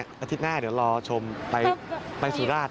อาทิตย์หน้าเดี๋ยวรอชมไปสุราช